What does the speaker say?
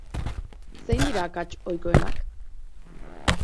Zein dira akats ohikoenak?